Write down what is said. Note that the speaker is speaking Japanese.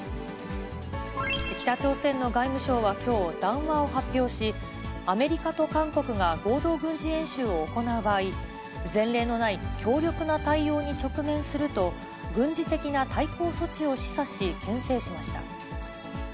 北朝鮮の外務省はきょう、談話を発表し、アメリカと韓国が合同軍事演習を行う場合、前例のない強力な対応に直面すると、軍事的な対抗措置を示唆し、けん制しました。